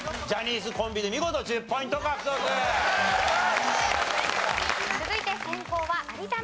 ジャニーズコンビで見事１０ポイント獲得。